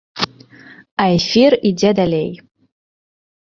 А эфір ідзе далей.